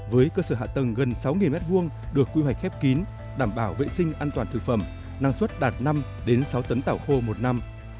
với cơ sở hạ tầng gần sáu m hai được quy hoạch khép kín đảm bảo vệ sinh an toàn thực phẩm năng suất đạt năm sáu tấn tàu khô một năm